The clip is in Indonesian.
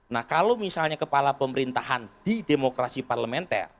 nah kalau misalnya kepala pemerintahan di demokrasi parlementer